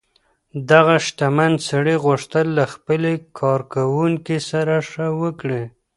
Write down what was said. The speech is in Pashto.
دغه شتمن سړي غوښتل له خپلې کارکوونکې سره ښه وکړي.